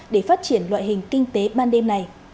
để phát triển loại hình kinh tế ban đêm này